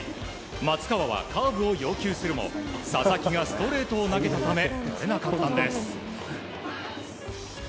松川はカーブを要求するも佐々木がストレートを投げたためとれなかったんです。